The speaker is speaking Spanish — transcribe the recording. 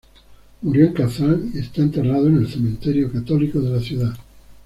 Murió en Kazan y está enterrado en el cementerio católico de la ciudad.